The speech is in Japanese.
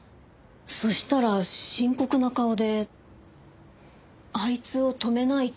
そしたら深刻な顔で「あいつを止めないと」って言ったんです。